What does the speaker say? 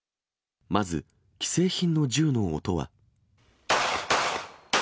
まず既製品の銃の音は。